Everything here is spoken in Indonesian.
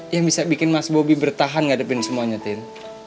yang bisa bikin mas bobby bertahan ngadepin semuanya tin